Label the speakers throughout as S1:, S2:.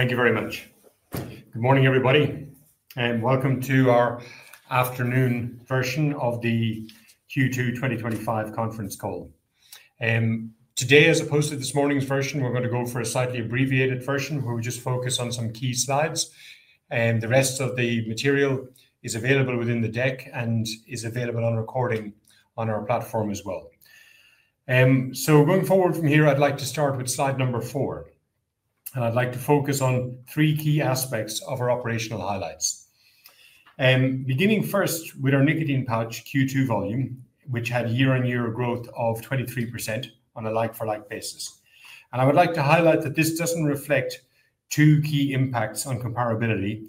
S1: Thank you very much. Good morning, everybody, and welcome to our afternoon version of the Q2 2025 Conference Call. Today, as opposed to this morning's version, we're going to go for a slightly abbreviated version where we just focus on some key slides. The rest of the material is available within the deck and is available on recording on our platform as well. Going forward from here, I'd like to start with slide number four, and I'd like to focus on three key aspects of our operational highlights. Beginning first with our nicotine pouch Q2 volume, which had year-on-year growth of 23% on a like-for-like basis. I would like to highlight that this doesn't reflect two key impacts on comparability,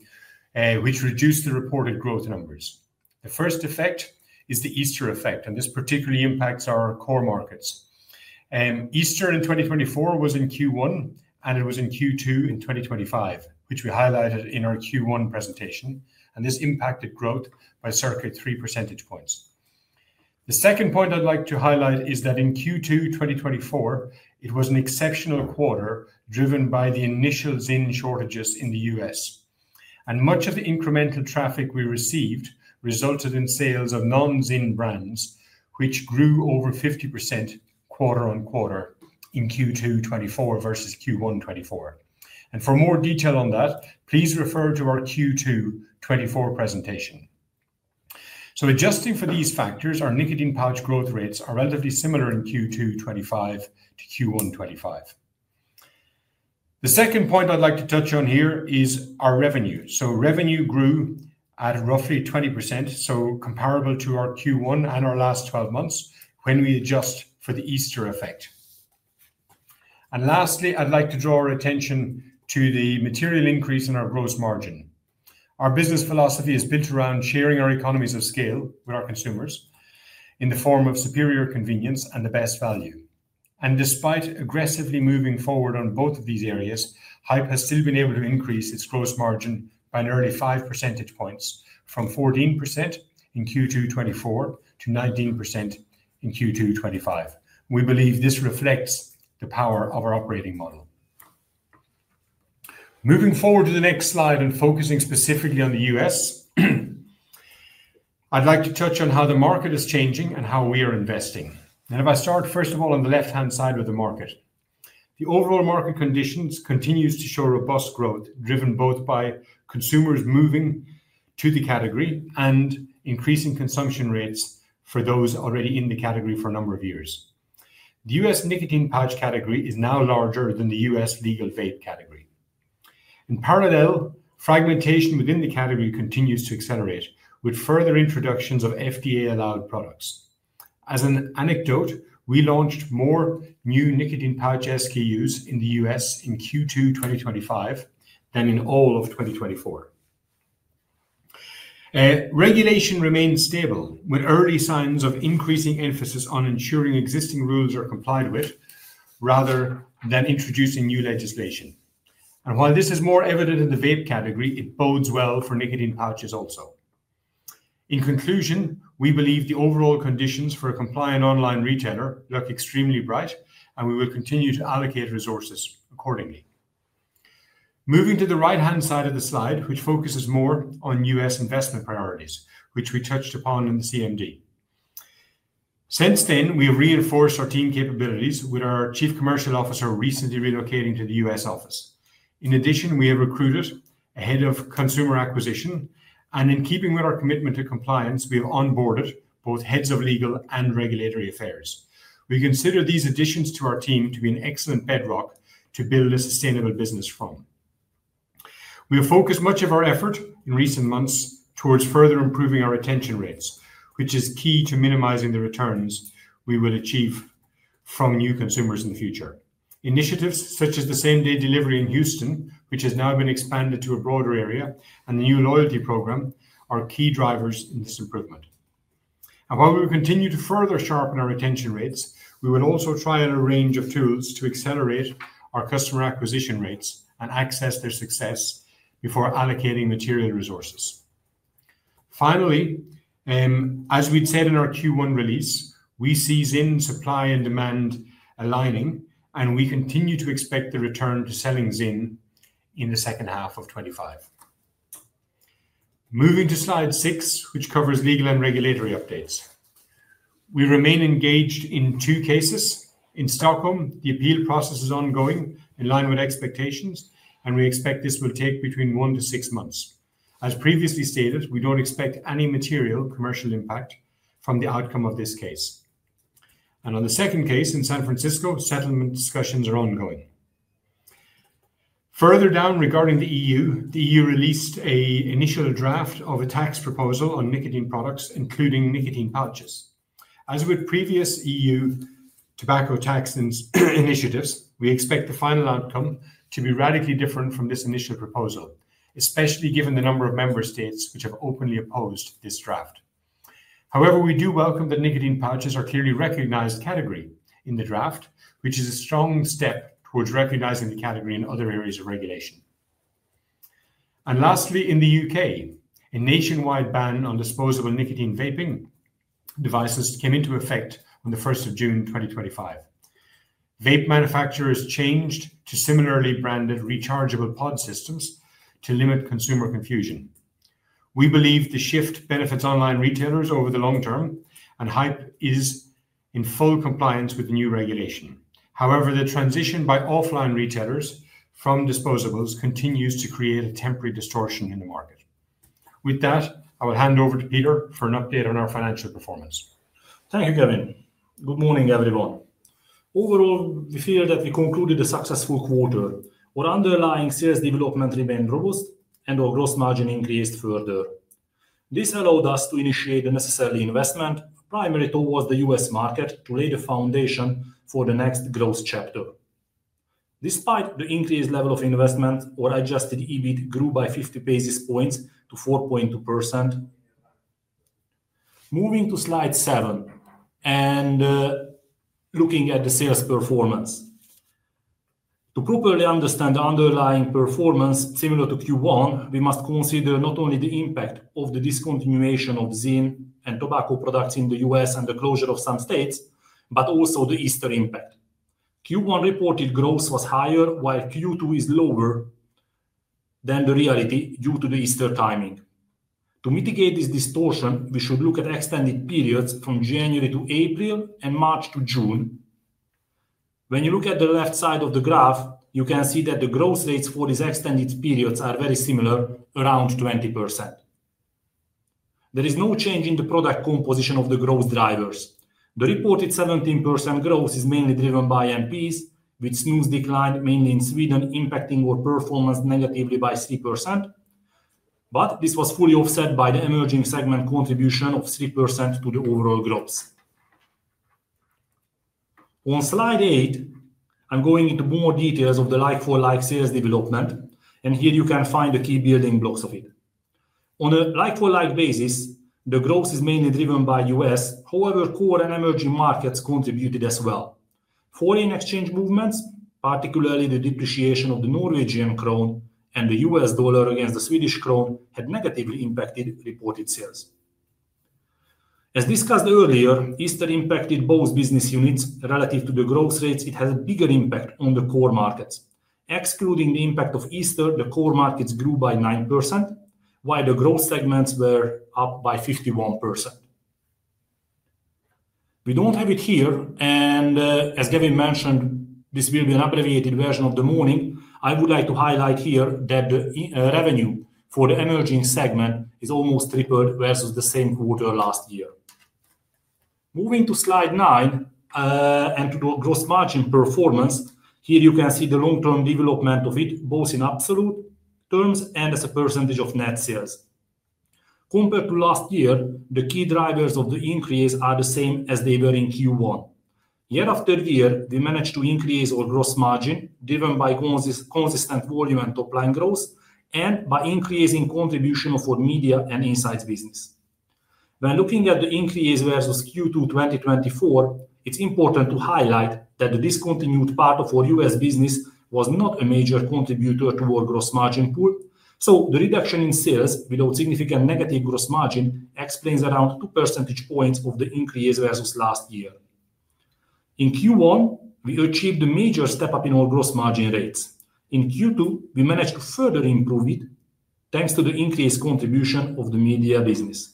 S1: which reduce the reported growth numbers. The first effect is the Easter effect, and this particularly impacts our core markets. Easter in 2024 was in Q1, and it was in Q2 in 2025, which we highlighted in our Q1 presentation, and this impacted growth by approximately 3 percentage points. The second point I'd like to highlight is that in Q2 2024, it was an exceptional quarter driven by the initial Zyn shortages in the U.S. Much of the incremental traffic we received resulted in sales of non-Zyn brands, which grew over 50% quarter on quarter in Q2 2024 versus Q1 2024. For more detail on that, please refer to our Q2 2024 presentation. Adjusting for these factors, our nicotine pouch growth rates are relatively similar in Q2 2025 to Q1 2025. The second point I'd like to touch on here is our revenue. Revenue grew at roughly 20%, so comparable to our Q1 and our last 12 months when we adjust for the Easter effect. Lastly, I'd like to draw our attention to the material increase in our gross margin. Our business philosophy is built around sharing our economies of scale with our consumers in the form of superior convenience and the best value. Despite aggressively moving forward on both of these areas, Haypp has still been able to increase its gross margin by nearly 5 percentage points, from 14% in Q2 2024 to 19% in Q2 2025. We believe this reflects the power of our operating model. Moving forward to the next slide and focusing specifically on the U.S., I'd like to touch on how the market is changing and how we are investing. If I start, first of all, on the left-hand side of the market, the overall market conditions continue to show robust growth, driven both by consumers moving to the category and increasing consumption rates for those already in the category for a number of years. The U.S. nicotine pouch category is now larger than the U.S. legal vape category. In parallel, fragmentation within the category continues to accelerate with further introductions of FDA-allowed products. As an anecdote, we launched more new nicotine pouch SKUs in the U.S. in Q2 2025 than in all of 2024. Regulation remains stable with early signs of increasing emphasis on ensuring existing rules are complied with rather than introducing new legislation. While this is more evident in the vape category, it bodes well for nicotine pouches also. In conclusion, we believe the overall conditions for a compliant online retailer look extremely bright, and we will continue to allocate resources accordingly. Moving to the right-hand side of the slide, which focuses more on U.S. investment priorities, which we touched upon in the CMD. Since then, we have reinforced our team capabilities with our Chief Commercial Officer recently relocating to the U.S. office. In addition, we have recruited a Head of Consumer Acquisition, and in keeping with our commitment to compliance, we have onboarded both Heads of Legal & Regulatory Affairs. We consider these additions to our team to be an excellent bedrock to build a sustainable business forum. We have focused much of our effort in recent months towards further improving our retention rates, which is key to minimizing the returns we will achieve from new consumers in the future. Initiatives such as the same-day delivery in Houston, which has now been expanded to a broader area, and the new loyalty program are key drivers in this improvement. While we will continue to further sharpen our retention rates, we will also try on a range of tools to accelerate our customer acquisition rates and access their success before allocating material resources. Finally, as we'd said in our Q1 release, we see Zyn supply and demand aligning, and we continue to expect the return to selling Zyn in the second half of 2025. Moving to slide six, which covers legal and regulatory updates. We remain engaged in two cases. In Stockholm, the appeal process is ongoing in line with expectations, and we expect this will take between one to six months. As previously stated, we don't expect any material commercial impact from the outcome of this case. On the second case in San Francisco, settlement discussions are ongoing. Further down regarding the E.U., the E.U. released an initial draft of a tax proposal on nicotine products, including nicotine pouches. As with previous E.U. tobacco tax initiatives, we expect the final outcome to be radically different from this initial proposal, especially given the number of member states which have openly opposed this draft. However, we do welcome that nicotine pouches are clearly recognized as a category in the draft, which is a strong step towards recognizing the category in other areas of regulation. Lastly, in the U.K., a nationwide ban on disposable nicotine vaping devices came into effect on the 1st of June 2025. Vape manufacturers changed to similarly branded rechargeable pod systems to limit consumer confusion. We believe the shift benefits online retailers over the long term, and Haypp is in full compliance with the new regulation. However, the transition by offline retailers from disposables continues to create a temporary distortion in the market. With that, I will hand over to Peter for an update on our financial performance.
S2: Thank you, Gavin. Good morning, everyone. Overall, we feel that we concluded a successful quarter. Our underlying sales development remained robust, and our gross margin increased further. This allowed us to initiate the necessary investment, primarily towards the U.S. market, to lay the foundation for the next growth chapter. Despite the increased level of investment, our adjusted EBIT grew by 50 basis points to 4.2%. Moving to slide seven and looking at the sales performance. To properly understand the underlying performance similar to Q1, we must consider not only the impact of the discontinuation of Zyn and tobacco products in the U.S. and the closure of some states, but also the Easter effect. Q1 reported growth was higher, while Q2 is lower than the reality due to the Easter timing. To mitigate this distortion, we should look at extended periods from January to April and March to June. When you look at the left side of the graph, you can see that the growth rates for these extended periods are very similar, around 20%. There is no change in the product composition of the growth drivers. The reported 17% growth is mainly driven by nicotine pouches, with snus decline mainly in Sweden impacting our performance negatively by 3%. This was fully offset by the emerging segment contribution of 3% to the overall growth. On slide eight, I'm going into more details of the like-for-like sales development, and here you can find the key building blocks of it. On a like-for-like basis, the growth is mainly driven by the U.S.; however, core and emerging markets contributed as well. Foreign exchange movements, particularly the depreciation of the Norwegian krone and the U.S. dollar against the Swedish krona, had negatively impacted reported sales. As discussed earlier, Easter impacted both business units. Relative to the growth rates, it has a bigger impact on the core markets. Excluding the impact of Easter, the core markets grew by 9%, while the growth segments were up by 51%. We don't have it here, and as Gavin mentioned, this will be an abbreviated version of the morning. I would like to highlight here that the revenue for the emerging segment is almost tripled versus the same quarter last year. Moving to slide nine and to the gross margin performance, here you can see the long-term development of it, both in absolute terms and as a percentage of net sales. Compared to last year, the key drivers of the increase are the same as they were in Q1. Year after year, we managed to increase our gross margin driven by consistent volume and top-line growth and by increasing contribution of our media and insights business. When looking at the increase versus Q2 2024, it's important to highlight that the discontinued part of our U.S. business was not a major contributor to our gross margin pool. The reduction in sales without significant negative gross margin explains around 2 percentage points of the increase versus last year. In Q1, we achieved a major step up in our gross margin rates. In Q2, we managed to further improve it thanks to the increased contribution of the media business.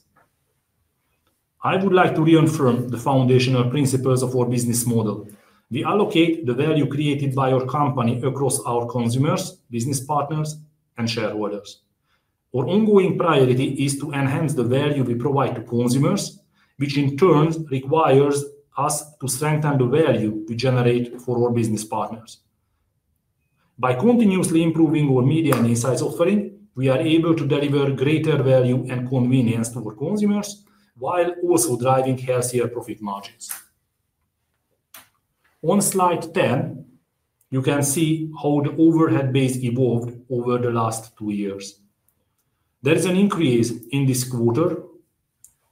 S2: I would like to reaffirm the foundational principles of our business model. We allocate the value created by our company across our consumers, business partners, and shareholders. Our ongoing priority is to enhance the value we provide to consumers, which in turn requires us to strengthen the value we generate for our business partners. By continuously improving our media & insights offering, we are able to deliver greater value and convenience to our consumers, while also driving healthier profit margins. On slide 10, you can see how the overhead base evolved over the last two years. There is an increase in this quarter,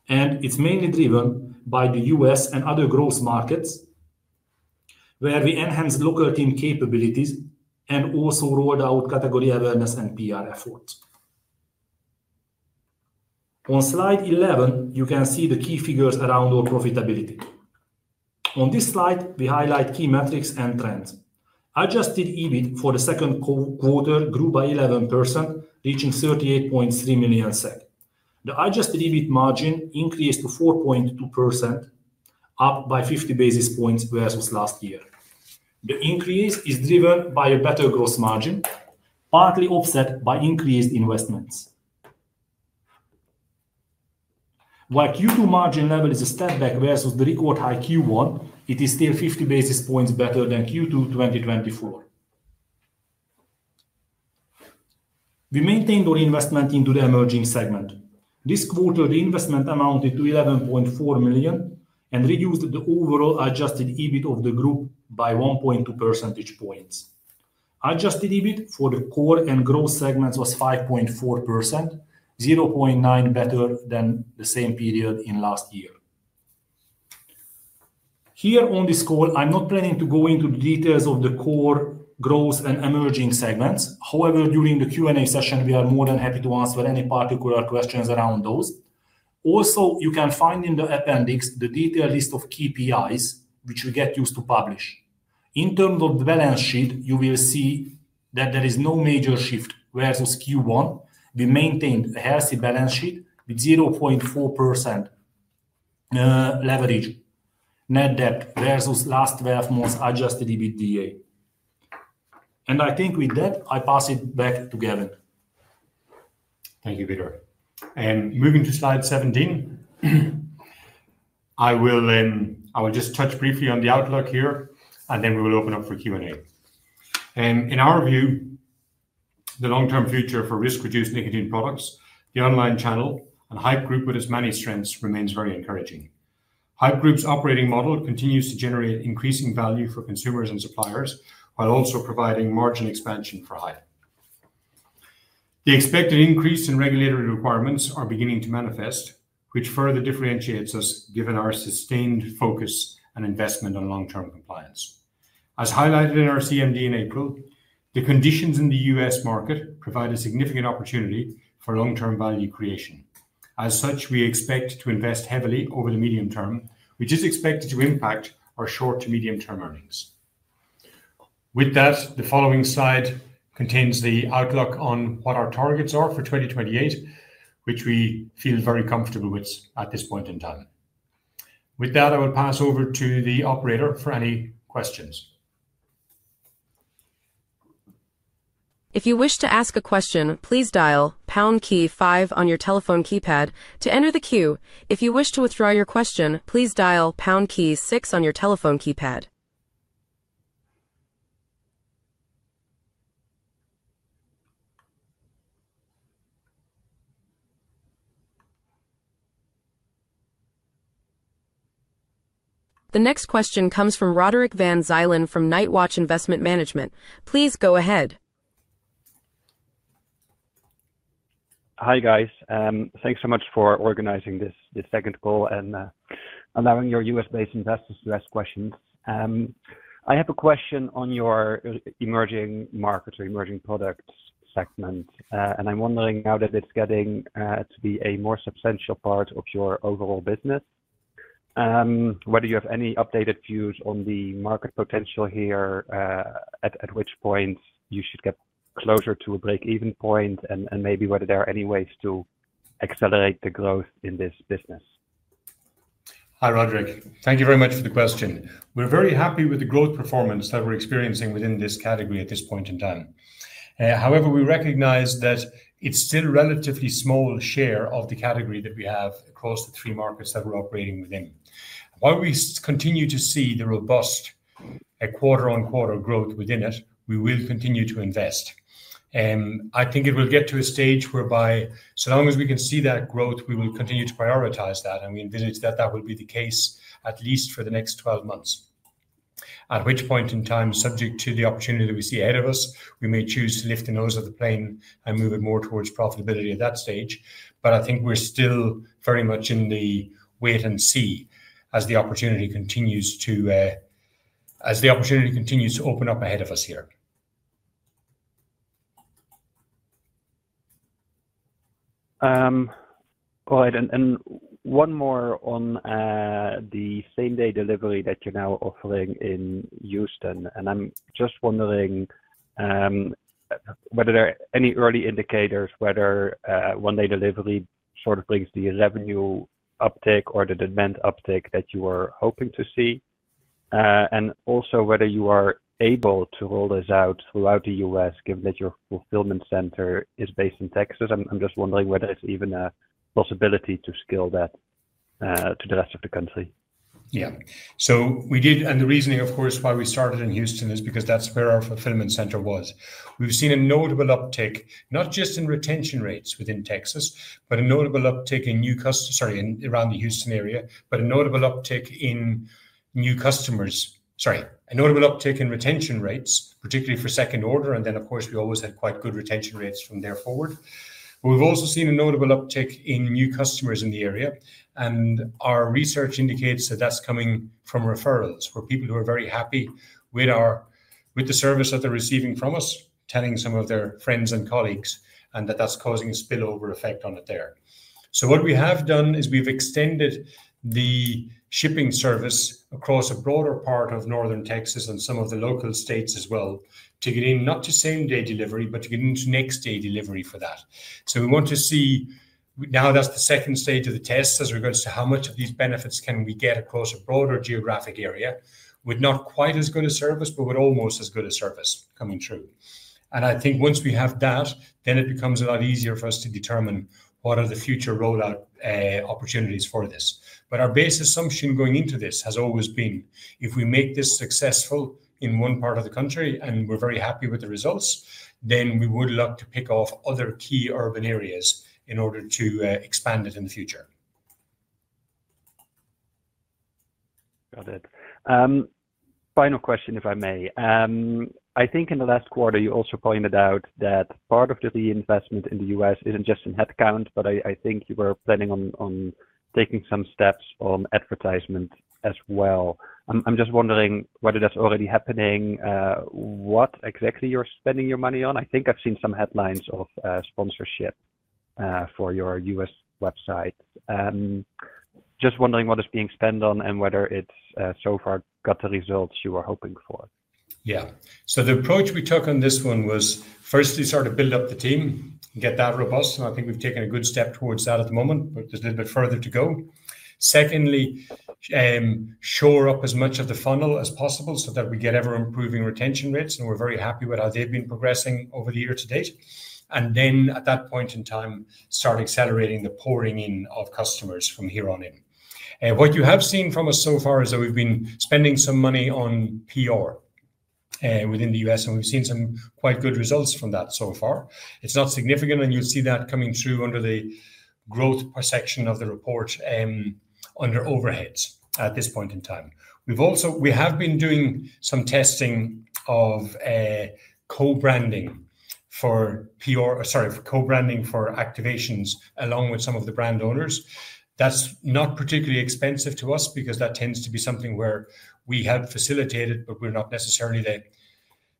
S2: and it's mainly driven by the U.S. and other growth markets where we enhanced local team capabilities and also rolled out category awareness and PR efforts. On slide 11, you can see the key figures around our profitability. On this slide, we highlight key metrics and trends. Adjusted EBIT for the second quarter grew by 11%, reaching 38.3 million SEK. The adjusted EBIT margin increased to 4.2%, up by 50 basis points versus last year. The increase is driven by a better gross margin, partly offset by increased investments. While Q2 margin level is a step back versus the record high Q1, it is still 50 basis points better than Q2 2024. We maintained our investment into the emerging segment. This quarter, the investment amounted to 11.4 million and reduced the overall adjusted EBIT of the group by 1.2 percentage points. Adjusted EBIT for the core and growth segments was 5.4%, 0.9% better than the same period in last year. Here on this call, I'm not planning to go into the details of the core growth and emerging segments. However, during the Q&A session, we are more than happy to answer any particular questions around those. Also, you can find in the appendix the detailed list of KPIs which we get used to publish. In terms of the balance sheet, you will see that there is no major shift versus Q1. We maintained a healthy balance sheet with 0.4% leverage net debt versus last 12 months adjusted EBITDA. I think with that, I pass it back to Gavin.
S1: Thank you, Peter. Moving to slide 17, I will just touch briefly on the outlook here, and then we will open up for Q&A. In our view, the long-term future for risk-reduced nicotine products, the online channel, and Haypp Group with its many strengths remains very encouraging. Haypp Group's operating model continues to generate increasing value for consumers and suppliers, while also providing margin expansion for Haypp. The expected increase in regulatory requirements is beginning to manifest, which further differentiates us given our sustained focus and investment on long-term compliance. As highlighted in our CMD in April, the conditions in the U.S. market provide a significant opportunity for long-term value creation. We expect to invest heavily over the medium term, which is expected to impact our short to medium-term earnings. The following slide contains the outlook on what our targets are for 2028, which we feel very comfortable with at this point in time. With that, I will pass over to the operator for any questions.
S3: If you wish to ask a question, please dial pound key five on your telephone keypad to enter the queue. If you wish to withdraw your question, please dial pound key six on your telephone keypad. The next question comes from Roderick van Zuylen from Night Watch Investment Management. Please go ahead.
S4: Hi guys, thanks so much for organizing this second call and allowing your US-based investors to ask questions. I have a question on your emerging markets or emerging products segment, and I'm wondering how that is getting to be a more substantial part of your overall business. Whether you have any updated views on the market potential here, at which point you should get closer to a break-even point, and maybe whether there are any ways to accelerate the growth in this business.
S1: Hi Roderick, thank you very much for the question. We're very happy with the growth performance that we're experiencing within this category at this point in time. However, we recognize that it's still a relatively small share of the category that we have across the three markets that we're operating within. While we continue to see the robust quarter-on-quarter growth within it, we will continue to invest. I think it will get to a stage whereby so long as we can see that growth, we will continue to prioritize that. We envisage that that will be the case at least for the next 12 months. At which point in time, subject to the opportunity that we see ahead of us, we may choose to lift the nose of the plane and move it more towards profitability at that stage. I think we're still very much in the wait and see as the opportunity continues to open up ahead of us here.
S4: Go ahead, and one more on the same-day delivery that you're now offering in Houston. I'm just wondering whether there are any early indicators whether one-day delivery sort of brings the revenue uptake or the demand uptake that you were hoping to see, and also whether you are able to roll this out throughout the U.S. given that your fulfillment center is based in Texas. I'm just wondering whether it's even a possibility to scale that to the rest of the country.
S1: Yeah, we did, and the reasoning, of course, why we started in Houston is because that's where our fulfillment center was. We've seen a notable uptake, not just in retention rates within Texas, but a notable uptake in new customers around the Houston area, a notable uptake in retention rates, particularly for second order. Of course, we always had quite good retention rates from there forward. We've also seen a notable uptake in new customers in the area, and our research indicates that that's coming from referrals for people who are very happy with the service that they're receiving from us, telling some of their friends and colleagues, and that's causing a spillover effect on it there. What we have done is we've extended the shipping service across a broader part of Northern Texas and some of the local states as well to get in, not to same-day delivery, but to get into next-day delivery for that. We want to see now that's the second stage of the tests as regards to how much of these benefits can we get across a broader geographic area with not quite as good a service, but with almost as good a service coming through. I think once we have that, then it becomes a lot easier for us to determine what are the future rollout opportunities for this. Our base assumption going into this has always been if we make this successful in one part of the country and we're very happy with the results, then we would look to pick off other key urban areas in order to expand it in the future.
S4: Got it. Final question, if I may. I think in the last quarter you also pointed out that part of the reinvestment in the U.S. isn't just in headcount, but I think you were planning on taking some steps on advertisement as well. I'm just wondering whether that's already happening, what exactly you're spending your money on. I think I've seen some headlines of sponsorship for your U.S. website. Just wondering what is being spent on and whether it's so far got the results you were hoping for.
S1: Yeah, so the approach we took on this one was first to sort of build up the team and get that robust. I think we've taken a good step towards that at the moment. We're just a little bit further to go. Secondly, shore up as much of the funnel as possible so that we get everyone improving retention rates. We're very happy with how they've been progressing over the year to date. At that point in time, start accelerating the pouring in of customers from here on in. What you have seen from us so far is that we've been spending some money on PR within the U.S., and we've seen some quite good results from that so far. It's not significant, and you'll see that coming through under the growth section of the report under overheads at this point in time. We've also been doing some testing of co-branding for PR, sorry, for co-branding for activations along with some of the brand owners. That's not particularly expensive to us because that tends to be something where we help facilitate it, but we're not necessarily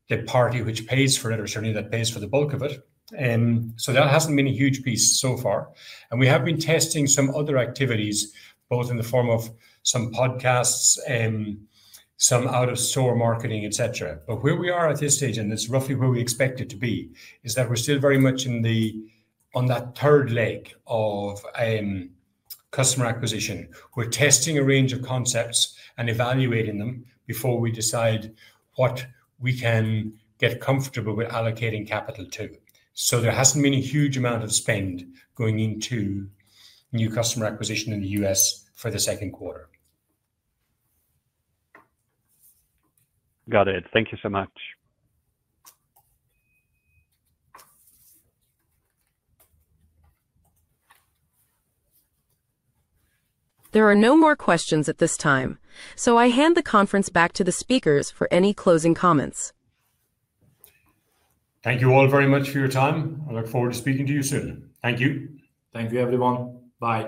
S1: the party which pays for it, or certainly that pays for the bulk of it. That hasn't been a huge piece so far. We have been testing some other activities, both in the form of some podcasts, some out-of-store marketing, etc. Where we are at this stage, and it's roughly where we expect it to be, is that we're still very much in that third leg of customer acquisition. We're testing a range of concepts and evaluating them before we decide what we can get comfortable with allocating capital to. There hasn't been a huge amount of spend going into new customer acquisition in the U.S. for the second quarter.
S4: Got it. Thank you so much.
S3: There are no more questions at this time, so I hand the conference back to the speakers for any closing comments.
S1: Thank you all very much for your time. I look forward to speaking to you soon. Thank you.
S2: Thank you, everyone. Bye.